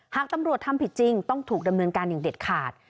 หากตำรวจทำผิดจริงต้องถูกดำเนินการอย่างเด็ดขาด